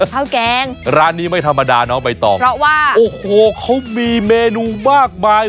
ข้าวแกงร้านนี้ไม่ธรรมดาน้องใบตองเพราะว่าโอ้โหเขามีเมนูมากมาย